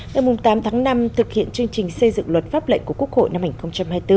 ngày tám tháng năm thực hiện chương trình xây dựng luật pháp lệnh của quốc hội năm hai nghìn hai mươi bốn